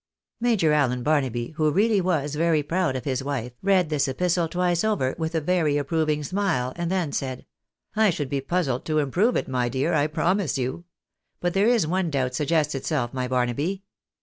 Major Allen Barnaby, who really was very proud of his wife, read this epistle twice over with a very approving smile, and then said —" I should be puzzled to improve it, my dear, I promise you. But there is one doubt suggests itself, my Barnaby.